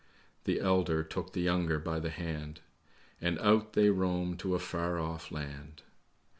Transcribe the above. ' The elder took the younger by the hand, And out they roamed to a far off land.'